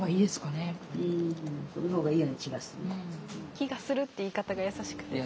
「気がする」って言い方が優しくて好き。